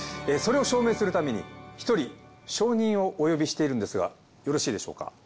それを証明するために１人証人をお呼びしているんですがよろしいでしょうか？